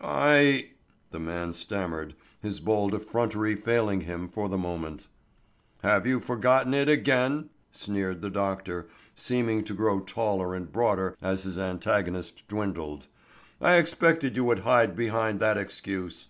"I——" the man stammered, his bold effrontery failing him for the moment. "Have you forgotten it again?" sneered the doctor, seeming to grow taller and broader as his antagonist dwindled. "I expected you would hide behind that excuse.